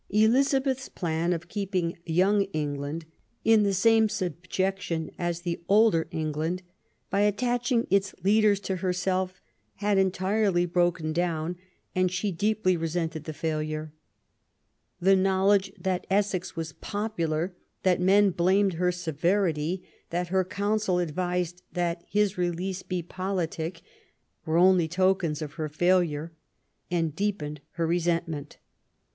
Elizabeth's plan of keeping young Eng land in the same subjection as ther older England, by attaching its leaders to herself, had entirely broken down, and she deeply resented the failure. The knowledge that Essex was popular, that men blamed her severity, that her Council advised that his release would be politic, were only tokens of her failure and deepened her resentment.